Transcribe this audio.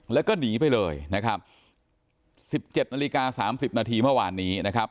แล้วก็หนีไปเลยนะครับสิบเจ็ดนาฬิกาสามสิบนาทีเมื่อวานนี้นะครับ